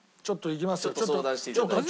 ちょっと相談していただいて。